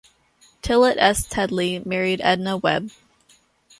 Tillit S. Teddlie married Edna Webb.